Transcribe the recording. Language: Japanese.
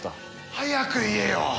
早く言えよ！